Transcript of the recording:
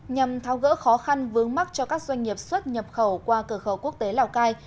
nhằm thao gỡ khó khăn vướng mắt cho các doanh nghiệp xuất nhập khẩu qua cửa khẩu quốc tế lào cai